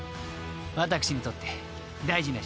私にとって大事な試合］